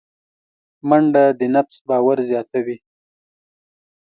منډه د نفس باور زیاتوي